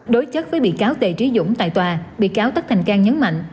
đối chất với bị cáo tề trí dũng tại tòa bị cáo tất thành cang nhấn mạnh